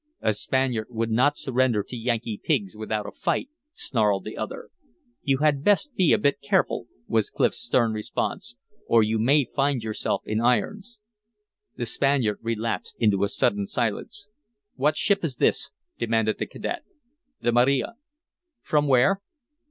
"A Spaniard would not surrender to Yankee pigs without a fight," snarled the other. "You had best be a bit careful," was Clif's stern response, "or you may find yourself in irons." The Spaniard relapsed into a sullen silence. "What ship is this?" demanded the cadet. "The Maria." "From where?"